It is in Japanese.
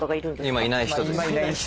今いない人です。